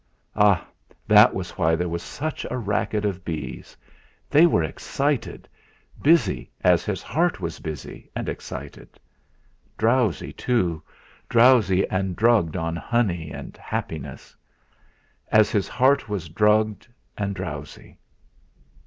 Ah! that was why there was such a racket of bees. They were excited busy, as his heart was busy and excited. Drowsy, too, drowsy and drugged on honey and happiness; as his heart was drugged and drowsy.